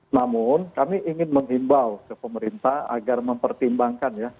namun kami ingin menghimbau ke pemerintah agar mempertimbangkan ya